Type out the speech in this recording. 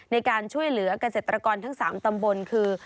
ในการช่วยเหลือกเกษตรกรทั้ง๓ตำบลคือ